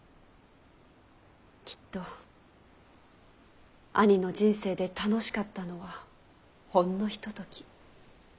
きっと兄の人生で楽しかったのはほんのひととき。